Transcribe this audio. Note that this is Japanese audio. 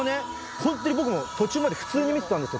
本当に僕も途中まで普通に見てたんですよ